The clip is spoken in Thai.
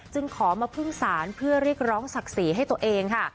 ขอมาพึ่งศาลเพื่อเรียกร้องศักดิ์ศรีให้ตัวเองค่ะ